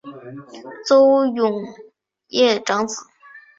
邹永煊长子。